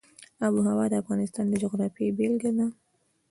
آب وهوا د افغانستان د جغرافیې بېلګه ده.